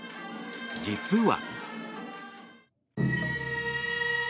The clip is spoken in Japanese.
実は。